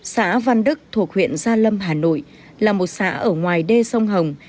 xã văn đức thuộc huyện gia lâm hà nội là một xã ở ngoài đê sông hồng